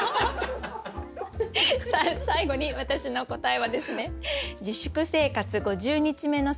さあ最後に私の答えはですね